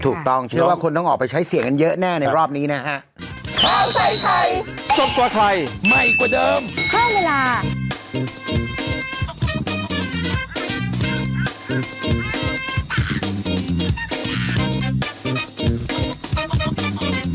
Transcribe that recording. ถูกต้องเชื่อว่าคนต้องออกไปใช้เสียงกันเยอะแน่ในรอบนี้นะฮะ